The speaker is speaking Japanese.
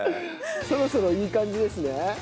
そろそろいい感じですね。